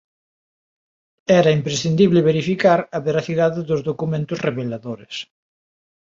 Era imprescindible verificar a veracidade dos documentos reveladores.